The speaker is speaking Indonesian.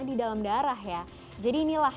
di dalam darah ya jadi inilah